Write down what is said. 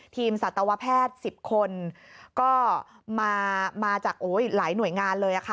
สัตวแพทย์๑๐คนก็มาจากหลายหน่วยงานเลยค่ะ